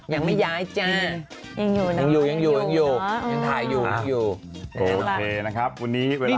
ยังไม่ย้ายจ้ายังอยู่